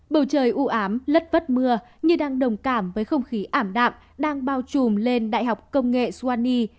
bầu trời ưu ám lất vất mưa nhưng đang đồng cảm với không khí ảm đạm đang bao trùm lên đại học công nghệ suani